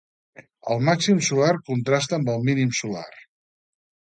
El màxim solar contrasta amb el mínim solar.